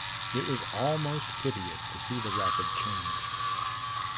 It was almost piteous to see the rapid change.